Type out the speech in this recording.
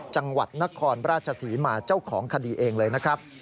จังหวัดนครราชศรีมาเจ้าของคดีเองเลยนะครับ